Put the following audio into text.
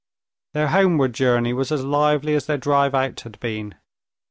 Their homeward journey was as lively as their drive out had been.